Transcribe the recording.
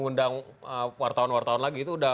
undang wartawan wartawan lagi itu sudah